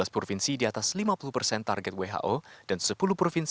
tiga belas provinsi di atas lima puluh persen target who